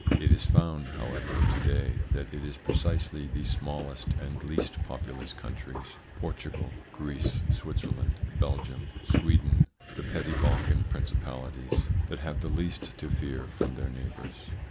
It is found, however, to day, that it is precisely the smallest and least populous countries Portugal, Greece, Switzerland, Belgium, Sweden, the petty Balkan principalities that have the least to fear from their neighbours.